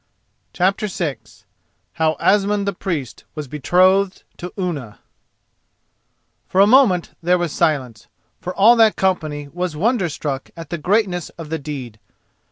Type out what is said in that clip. CHAPTER VI HOW ASMUND THE PRIEST WAS BETROTHED TO UNNA For a moment there was silence, for all that company was wonderstruck at the greatness of the deed.